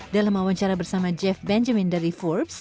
dalam wawancara bersama jeff benjamin dari forbes